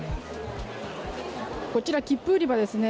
こちら切符売り場ですね。